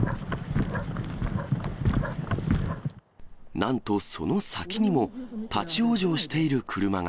なんとその先にも、立往生している車が。